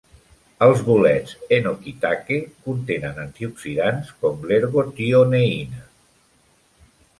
Els bolets Enokitake contenen antioxidants, com l'ergotioneïna.